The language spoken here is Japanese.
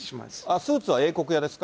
スーツは英国屋ですか？